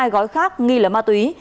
sáu mươi hai gói khác nghi là ma túy